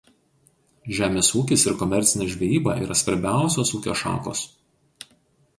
Žemės ūkis ir komercinė žvejyba yra svarbiausios ūkio šakos.